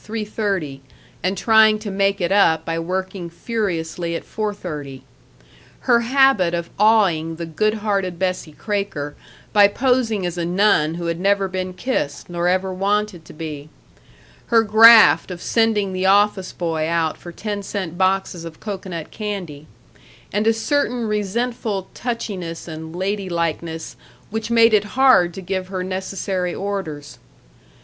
30 and trying to make it up by working furiously at 4.30; her habit of awing the good hearted Bessie Kraker by posing as a nun who had never been kissed nor ever wanted to be; her graft of sending the office boy out for ten cent boxes of cocoanut candy; and a certain resentful touchiness and ladylikeness which made it hard to give her necessary orders.